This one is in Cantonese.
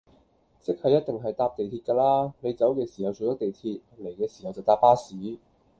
即係一定係搭地鐵㗎啦，你走嘅時候做得地鐵，嚟嘅時候就搭巴士